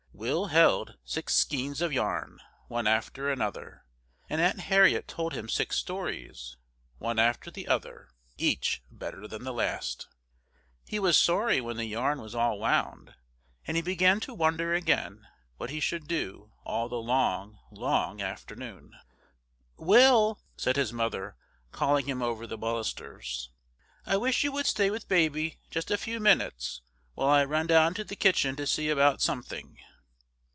Will held six skeins of yarn, one after another; and Aunt Harriet told him six stories, one after the other, each better than the last. He was sorry when the yarn was all wound, and he began to wonder again what he should do all the long, long afternoon. "Will," said his mother, calling him over the balusters, "I wish you would stay with baby just a few minutes while I run down to the kitchen to see about something."